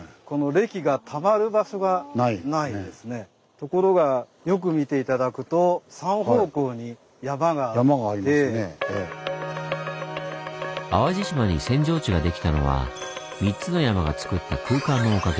ところがよく見て頂くと淡路島に扇状地ができたのは３つの山がつくった空間のおかげ。